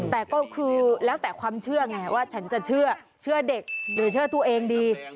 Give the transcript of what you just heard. แต่ก็คือแล้วแต่ความเชื่อไงว่าฉันจะเชื่อเด็กหรือเชื่อตัวเองดี